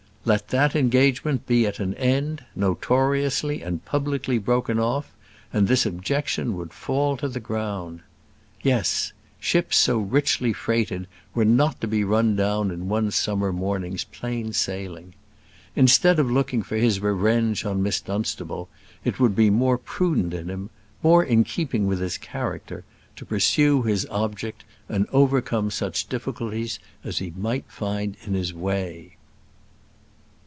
Let that engagement be at an end, notoriously and publicly broken off, and this objection would fall to the ground. Yes; ships so richly freighted were not to be run down in one summer morning's plain sailing. Instead of looking for his revenge on Miss Dunstable, it would be more prudent in him more in keeping with his character to pursue his object, and overcome such difficulties as he might find in his way.